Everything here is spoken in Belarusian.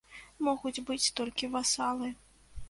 Могуць быць толькі васалы.